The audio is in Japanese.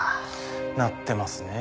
鳴ってますねえ。